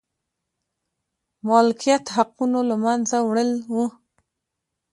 مالکیت حقونو له منځه وړل و.